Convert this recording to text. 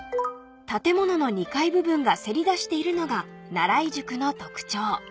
建物の２階部分がせり出しているのが奈良井宿の特徴］